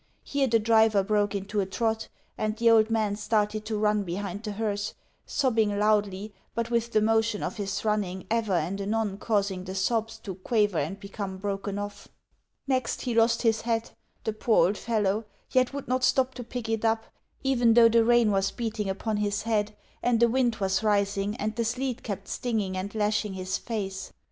Here the driver broke into a trot, and the old man started to run behind the hearse sobbing loudly, but with the motion of his running ever and anon causing the sobs to quaver and become broken off. Next he lost his hat, the poor old fellow, yet would not stop to pick it up, even though the rain was beating upon his head, and a wind was rising and the sleet kept stinging and lashing his face.